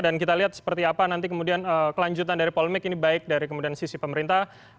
kita lihat seperti apa nanti kemudian kelanjutan dari polemik ini baik dari kemudian sisi pemerintah